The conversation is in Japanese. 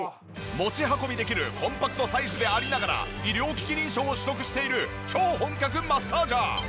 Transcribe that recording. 持ち運びできるコンパクトサイズでありながら医療機器認証を取得している超本格マッサージャー。